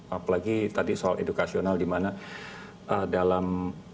apalagi tadi soal edukasional di mana dalam